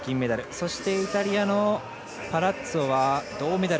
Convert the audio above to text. そして、イタリアのパラッツォは銅メダル。